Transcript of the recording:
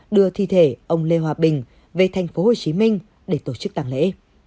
đưa thi thể ông lê hòa bình về tp hcm để tổ chức tàng lễ